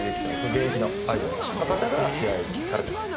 現役のアイドルの方が試合されてます